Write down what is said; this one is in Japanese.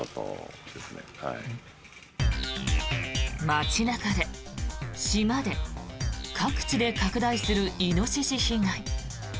街中で、島で、各地で拡大するイノシシ被害。